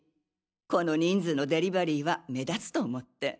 この人数のデリバリーは目立つと思って。